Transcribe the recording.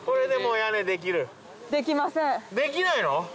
できないの？